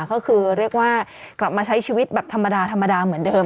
ก็คือเรียกว่ากลับมาใช้ชีวิตแบบธรรมดาธรรมดาเหมือนเดิม